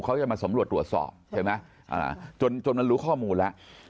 เขาจะมาสำรวจตรวจสอบใช่ไหมจนมันรู้ข้อมูลแล้ว